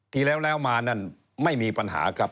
ที่แล้วแล้วมานั่นไม่มีปัญหาครับ